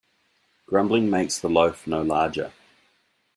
Grumbling makes the loaf no larger.